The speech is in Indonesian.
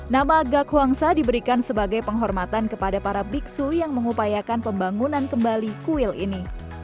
nama gakwangsa diberikan sebagai penghormatan kepada para biksu yang mengupayakan pembangunan kembali kuil ini